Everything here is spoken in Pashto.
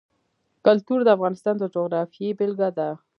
کلتور د افغانستان د جغرافیې بېلګه ده.